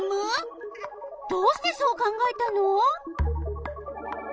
どうしてそう考えたの？